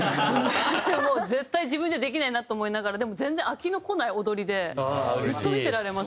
もう絶対自分じゃできないなと思いながらでも全然飽きのこない踊りでずっと見てられますね。